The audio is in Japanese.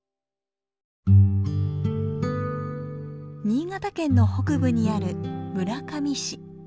新潟県の北部にある村上市。